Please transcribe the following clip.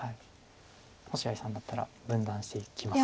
星合さんだったら分断していきますか？